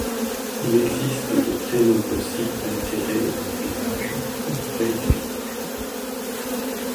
Il existe de très nombreux sites d’intérêt dans le village ou près du village.